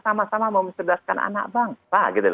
sama sama memcerdaskan anak bangsa